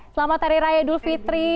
selamat hari raya idul fitri